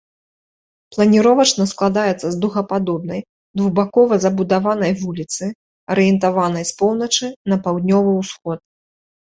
Планіровачна складаецца з дугападобнай, двухбакова забудаванай вуліцы, арыентаванай з поўначы на паўднёвы ўсход.